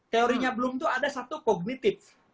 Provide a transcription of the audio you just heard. teorinya belum itu ada satu kognitif